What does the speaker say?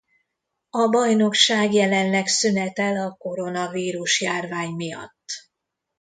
A bajnokság jelenleg szünetel a koronavírus járvány miatt.